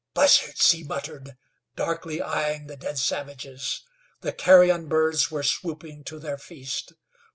"Buzzards," he muttered, darkly eyeing the dead savages. The carrion birds were swooping to their feast.